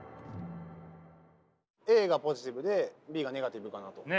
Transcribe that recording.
ＡがポジティブでＢがネガティブかなと。